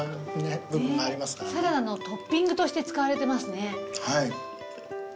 サラダのトッピングとして使われてますね。